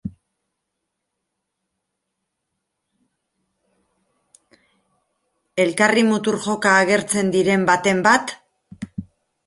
Elkarri mutur-joka agertzen diren baten bat!.